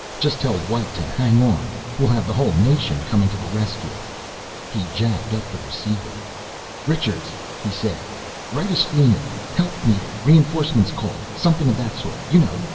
Just tell White to hang on! We'll have the whole nation coming to the rescue!" He jabbed up the receiver. "Richards," he said, "write a streamer, 'Help Needed,' 'Reinforcements Called' something of that sort, you know.